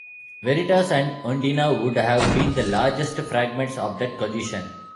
Veritas and Undina would have been the largest fragments of that collision.